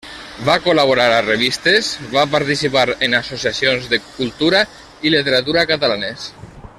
Va col·laborar a revistes, va participar en associacions de cultura i literatura catalanes.